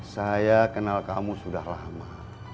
saya kenal kamu sudah lama